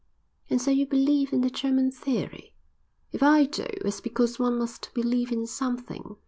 "And so you believe in the German theory?" "If I do, it's because one must believe in something.